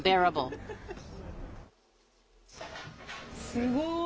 すごい。